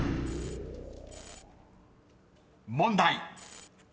［問題］